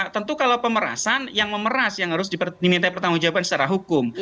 tentu kalau pemerasan yang memeras yang harus diminta pertanggung jawaban secara hukum